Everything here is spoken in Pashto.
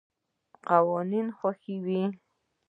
قوانین خوښوي.